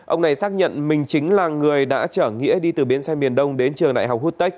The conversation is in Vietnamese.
ông này xác nhận mình chính là người đã chở nghĩa đi từ biến xe miền đông đến trường đại học hook